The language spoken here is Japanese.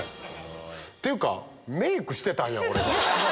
っていうかメイクしてたんや俺まだ。